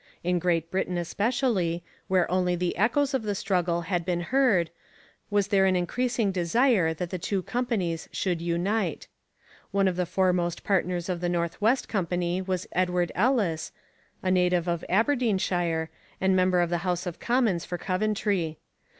In Great Britain especially, where only the echoes of the struggle had been heard, was there an increasing desire that the two companies should unite. One of the foremost partners of the North West Company was Edward Ellice, a native of Aberdeenshire, and member of the House of Commons for Coventry.